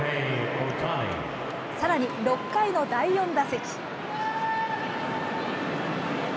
さらに、６回の第４打席。